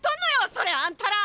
それあんたら！